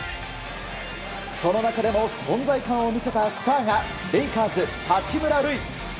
その中でも存在感を見せたスターがレイカーズ、八村塁。